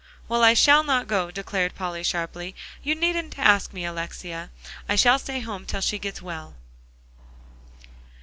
"Well, I shall not go," declared Polly sharply; "you needn't ask me, Alexia. I shall stay home till she gets well."